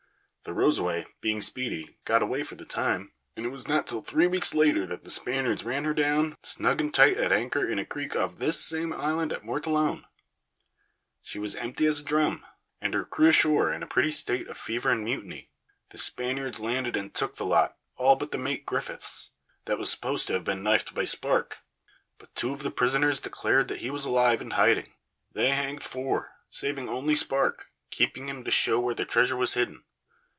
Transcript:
The Rosaway, being speedy, got away for the time, and it was not till three weeks later that the Spaniards ran down on her, snug and tight at anchor in a creek of this same island of Mortallone. She was empty as a drum, and her crew ashore in a pretty state of fever and mutiny. The Spaniards landed and took the lot, all but the mate Griffiths, that was supposed to have been knifed by Sparke, but two of the prisoners declared that he was alive and hiding. They hanged four, saving only Sparke, keeping him to show where the treasure was hidden.